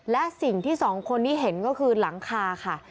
และสิ่งที่สองคนนี้เห็นก็คือหลังคาค่ะ